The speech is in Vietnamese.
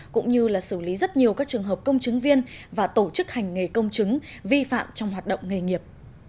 cũng như là xử lý rất nhiều các trường hợp công chứng viên và tổ chức hành nghề công chứng vi phạm trong hoạt động nghề nghiệp